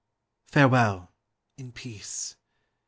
Farewell, in peace.